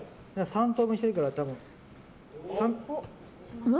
３等分してるから。